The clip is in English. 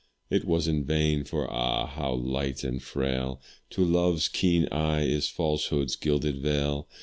It was in vain for ah! how light and frail To love's keen eye is falsehood's gilded veil.